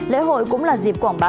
lễ hội cũng là dịp quảng bá